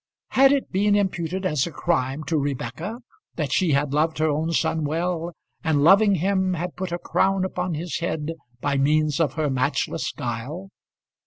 Had it been imputed as a crime to Rebekah that she had loved her own son well, and loving him had put a crown upon his head by means of her matchless guile?